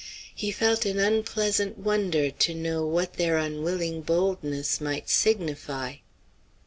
He felt an unpleasant wonder to know what their unwilling boldness might signify.